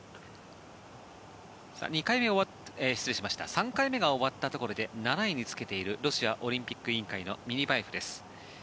３回目が終わったところで７位につけているロシアオリンピック委員会のミニバエフです。